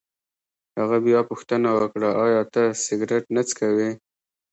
هغه بیا پوښتنه وکړه: ایا ته سګرېټ نه څکوې؟